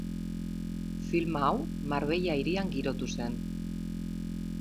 Filma hau Marbella hirian girotu zen.